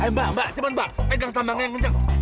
ayo mbak mbak cepet mbak pegang tambangnya yang kencang